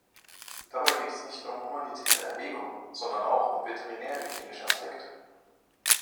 Dabei geht es nicht nur um humanitäre Erwägungen, sondern auch um veterinärhygienische Aspekte.